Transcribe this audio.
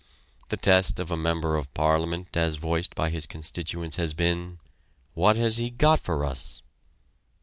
The test of a member of Parliament as voiced by his constituents has been: "What has he got for us?"